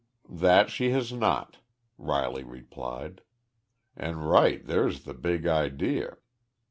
"That she has not," Riley replied, "an' right there's th' big idear.